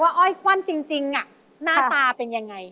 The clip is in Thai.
ว่าอ้อยขวั่นจริงน่าตาเป็นอย่างไร